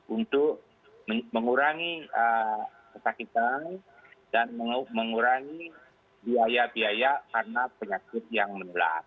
untuk mengurangi kesakitan dan mengurangi biaya biaya karena penyakit yang menular